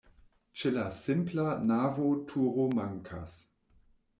Ĉe la simpla navo turo mankas.